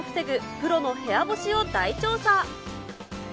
プロの部屋干しを大調査。